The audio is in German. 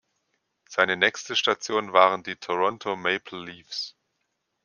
Seine nächste Station waren die Toronto Maple Leafs.